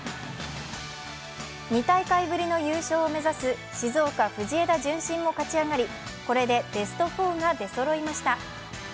２大会ぶりの優勝を目指す静岡・藤枝順心も勝ち上がり、これでベスト４が出そろいました。